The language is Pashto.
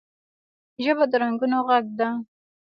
ژبه د رنګونو غږ ده